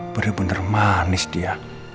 bener bener manis dia